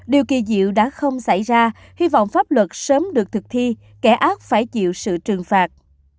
điều kỳ diệu đã không xảy ra hy vọng pháp luật sớm được thực thi kẻ ác phải chịu sự trừng phạt